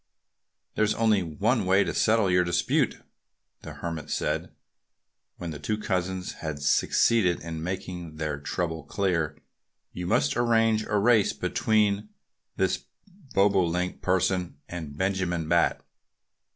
"There's only one way to settle your dispute," the Hermit said when the two cousins had succeeded in making their trouble clear. "You must arrange a race between this Bobolink person and Benjamin Bat."